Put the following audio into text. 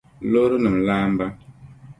loorinim' laamba.